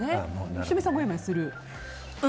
仁美さん、もやもやする？